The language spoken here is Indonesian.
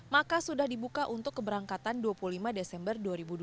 maka sudah dibuka untuk keberangkatan dua puluh lima desember dua ribu dua puluh